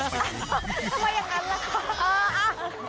ทำไมอย่างนั้นล่ะ